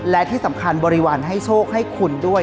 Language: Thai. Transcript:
และที่สำคัญบริวารให้โชคให้คุณด้วย